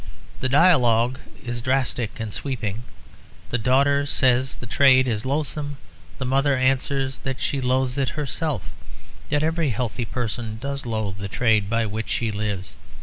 The dialogue is drastic and sweeping; the daughter says the trade is loathsome; the mother answers that she loathes it herself; that every healthy person does loathe the trade by which she lives.